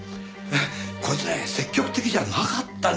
こいつね積極的じゃなかったんですよ。